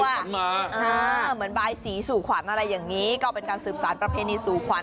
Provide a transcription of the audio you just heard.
เหมือนบายสีสู่ขวัญคือสารประเภนภาษาสู่ขวัญ